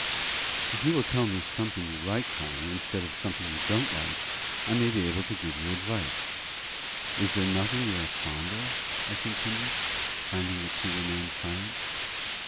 "If you will tell me something you like, Connie, instead of something you don't like, I may be able to give you advice. Is there nothing you are fond of?" I continued, finding that she remained silent.